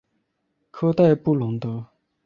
科代布龙德。